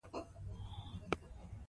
ایا د بدن بوی د عمر سره بدلیدلی شي؟